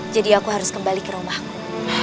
jadi aku harus kembali ke rumahku